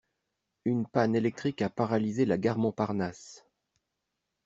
Une panne électrique a paralysé la gare Montparnasse.